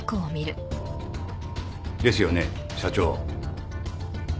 ですよね社長。